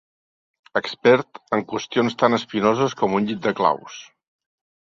Expert en qüestions tan espinoses com un llit de claus.